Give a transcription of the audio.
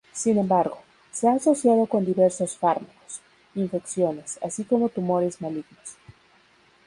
Sin embargo, se ha asociado con diversos fármacos, infecciones, así como tumores malignos.